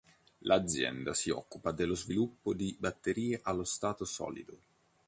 L'azienda si occupa dello sviluppo di batterie allo stato solido.